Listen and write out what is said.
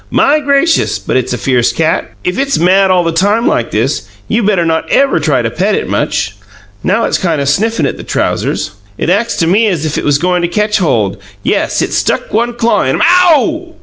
"My gracious, but it's a fierce cat! If it's mad all the time like this, you better not ever try to pet it much. Now it's kind o' sniffin' at the trousers. It acks to me as if it was goin' to ketch hold. Yes, it's stuck one claw in 'em OW!"